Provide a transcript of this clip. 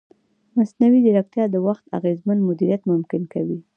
مصنوعي ځیرکتیا د وخت اغېزمن مدیریت ممکن کوي.